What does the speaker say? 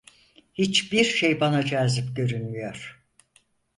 Hiçbir şey bana cazip görünmüyor.